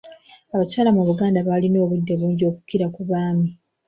Abakyala mu Buganda baalina obudde bungi okukira ku baami